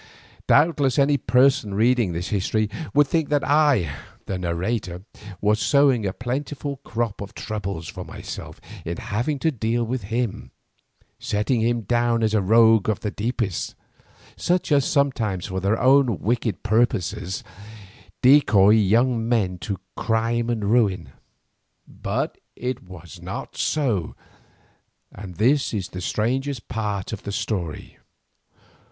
Doubtless any person reading this history would think that I, the narrator, was sowing a plentiful crop of troubles for myself in having to deal with him, setting him down as a rogue of the deepest, such as sometimes, for their own wicked purposes, decoy young men to crime and ruin. But it was not so, and this is the strangest part of the strange story.